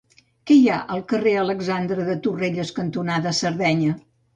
Què hi ha al carrer Alexandre de Torrelles cantonada Sardenya?